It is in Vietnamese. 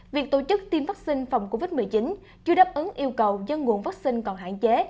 việc tổ chức tiêm vaccine phòng covid một mươi chín chưa đáp ứng yêu cầu do nguồn vaccine còn hạn chế